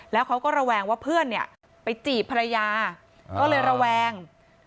แล้วเขาก็ระแวงว่าเพื่อนเนี่ยไปจีบภรรยาก็เลยระแวง